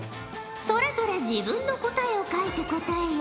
それぞれ自分の答えを書いて答えよ。